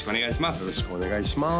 よろしくお願いします